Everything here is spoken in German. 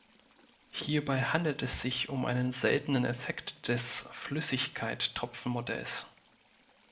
Hierbei handelt es sich um einen seltenen Effekt des Flüssigkeittropfenmodells.